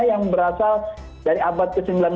yang berasal dari abad ke sembilan belas